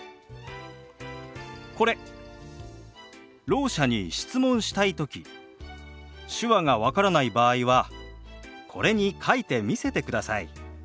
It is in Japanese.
ろう者に質問したい時手話が分からない場合はこれに書いて見せてください。